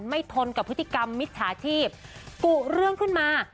ไม่ทนกับพฤติกรรมมิตรศาสตร์ที่ปูะเรื่องขึ้นมา